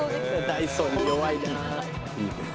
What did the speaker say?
ダイソンに弱いな。